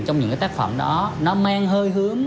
trong những cái tác phẩm đó nó mang hơi hướng